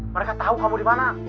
mereka tahu kamu dimana